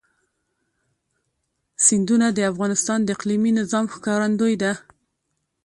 سیندونه د افغانستان د اقلیمي نظام ښکارندوی ده.